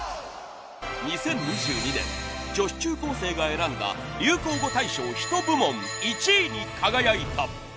２０２２年女子中高生が選んだ流行語大賞ヒト部門１位に輝いた。